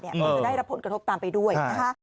มันจะได้รับผลกระทบตามไปด้วย